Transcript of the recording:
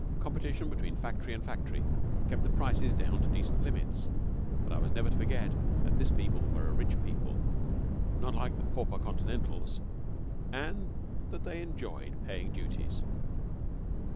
Competition between factory and factory kept the prices down to decent limits, but I was never to forget that this people were a rich people, not like the pauper Continentals, and that they enjoyed paying duties.